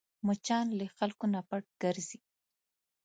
مچان له خلکو نه پټ ګرځي